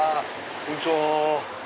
こんにちは。